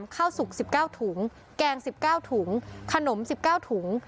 ข้าวสุก๑๙ถุงแกง๑๙ถุงขนม๑๙ถุง